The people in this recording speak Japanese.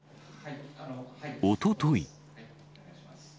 おととい。